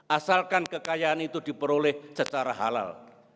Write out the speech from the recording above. asalkan kekayaan itu diperoleh secara halal